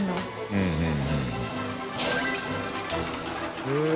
うんうん。